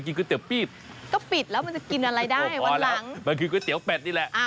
ก๋วยเตี๋ยวเป็ด